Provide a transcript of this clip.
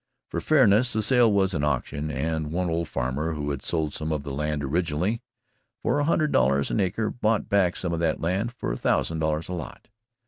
For fairness, the sale was an auction, and one old farmer who had sold some of the land originally for a hundred dollars an acre, bought back some of that land at a thousand dollars a lot.